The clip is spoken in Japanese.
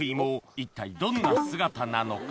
一体どんな姿なのか？